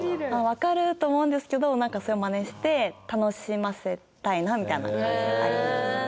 わかると思うんですけどなんかそれをマネして楽しませたいなみたいな感じはあります。